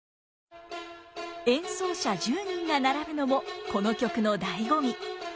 演奏者１０人が並ぶのもこの曲の醍醐味。